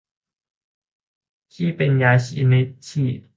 ที่เป็นยาชนิดฉีด